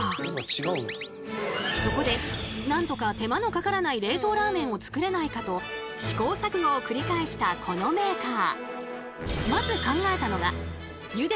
そこでなんとか手間のかからない冷凍ラーメンを作れないかと試行錯誤を繰り返したこのメーカー。